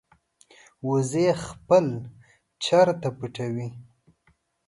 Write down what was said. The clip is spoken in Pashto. وزې خپل چرته پټوي